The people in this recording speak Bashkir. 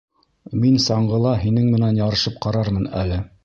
Мин саңғыла һинең менән ярышып ҡарармын әле.